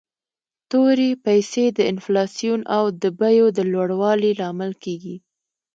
تورې پیسي د انفلاسیون او د بیو د لوړوالي لامل کیږي.